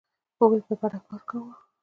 هغوی په ګډه کار کاوه.